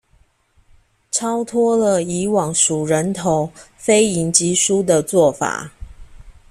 超脫了以往數人頭、非贏即輸的做法